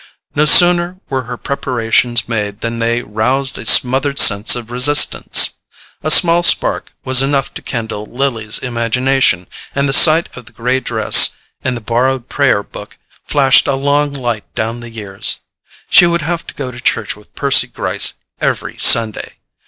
No sooner were her preparations made than they roused a smothered sense of resistance. A small spark was enough to kindle Lily's imagination, and the sight of the grey dress and the borrowed prayer book flashed a long light down the years. She would have to go to church with Percy Gryce every Sunday.